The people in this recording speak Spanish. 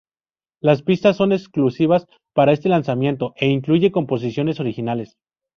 Las pistas son exclusivas para este lanzamiento e incluye composiciones originales.